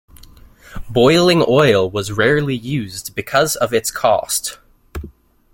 Boiling oil was rarely used because of its cost.